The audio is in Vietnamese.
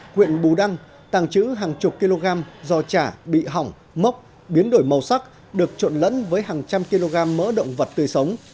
huyện bù đăng tàng trữ hàng chục kg giò chả bị hỏng mốc biến đổi màu sắc được trộn lẫn với hàng trăm kg mỡ động vật tươi sống